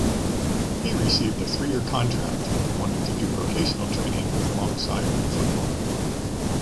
He received a three year contract and wanted to do vocational training alongside football.